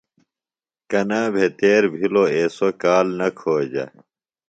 کنا بھےۡ تیر بِھلوۡ ایسوۡ کال نہ کھوجہ۔